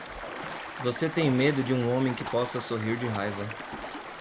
Você tem medo de um homem que possa sorrir de raiva!